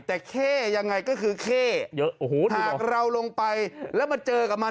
แต่เข้ยังไงก็คือเข้เยอะโอ้โหหากเราลงไปแล้วมาเจอกับมัน